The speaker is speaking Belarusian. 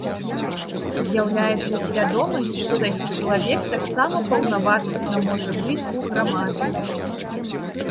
З'яўляецца свядомасць, што такі чалавек таксама паўнавартасна можа жыць у грамадстве.